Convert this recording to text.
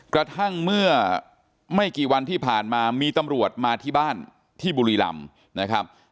กระทั่งเมื่อไม่กี่วันที่ผ่านมามีตำรวจมาที่บ้านที่บุรีรำนะครับ